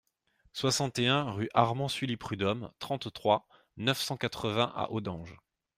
soixante et un rue Armand Sully Prudhomme, trente-trois, neuf cent quatre-vingts à Audenge